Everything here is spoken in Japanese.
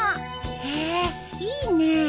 へえいいね。